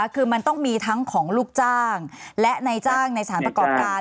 คือมันต้องมีทั้งของลูกจ้างและในจ้างในสารประกอบการ